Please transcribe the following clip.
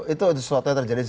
itu sesuatu yang terjadi